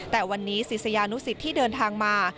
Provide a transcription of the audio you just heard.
แต่วันนี้ศิษยานุสิตที่เดินทางมา